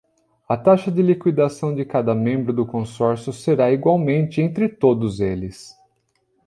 A taxa de liquidação de cada membro do consórcio será igualmente entre todos eles.